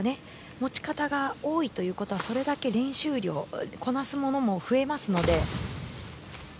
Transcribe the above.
持ち形が多いということはそれだけ練習量こなすことも増えますので。